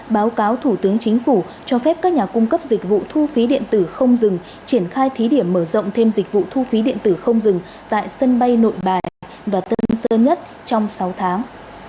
báo cáo thủ tướng chính phủ cho phép các nhà cung cấp dịch vụ thu phí điện tử không dừng triển khai thí điểm mở rộng thêm dịch vụ thu phí điện tử không dừng tại sân bay nội bài và tân sơn nhất trong sáu tháng